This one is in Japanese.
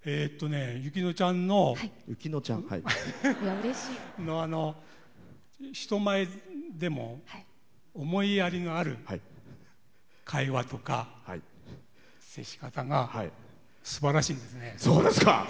由紀乃ちゃんの人前でも思いやりのある会話とか接し方がすばらしいんですね。